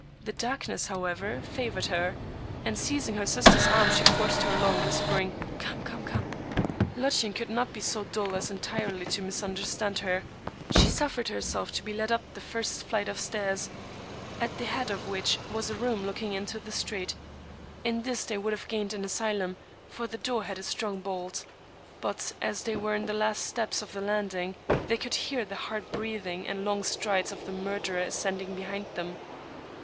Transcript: The darkness, however, favored her ; and, seizing her sister's arm, she forced her along, whisper ing, " Come, come, come !" Lottchen could not be so dull as entirely to misunderstand hen She suffered herself to be led up the first flight of stairs, at the head of which was a room looking into the street. In this they would have gained an asylum, for the door had a strong bolt. But, as they were on the last steps of the landing, they could hear the hard breathing and long strides of the murderer ascending behind them.